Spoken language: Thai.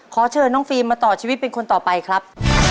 ขอเชิญน้องฟิล์มมาต่อชีวิตเป็นคนต่อไปครับ